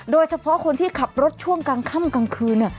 โดยเฉพาะคนที่ขับรถช่วงกลางค่ำกลางคืน